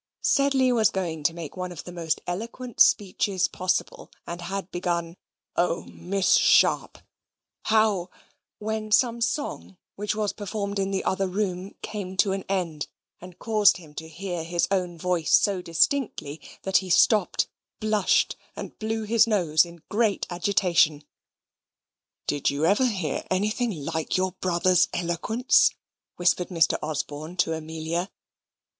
Sedley was going to make one of the most eloquent speeches possible, and had begun "O Miss Sharp, how " when some song which was performed in the other room came to an end, and caused him to hear his own voice so distinctly that he stopped, blushed, and blew his nose in great agitation. "Did you ever hear anything like your brother's eloquence?" whispered Mr. Osborne to Amelia.